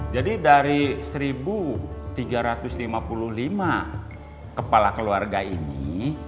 jadi dari satu tiga ratus lima puluh lima kepala keluarga ini